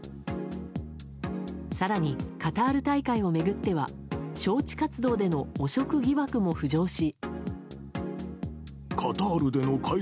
更に、カタール大会を巡っては招致活動での汚職疑惑も浮上し。